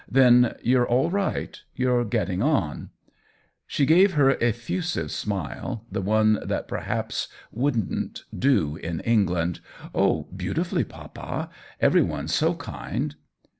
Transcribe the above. '*Then you're all right — you're getting on ?" She gave her effusive smile — the one that perhaps wouldn't do in England. "Oh, beautifully, papa — every one's so kind."